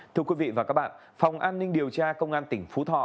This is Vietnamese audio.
thưa quý vị và các bạn phòng an ninh điều tra công an tỉnh phú thọ